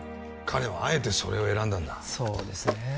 彼はあえてそれを選んだんだそうですねえ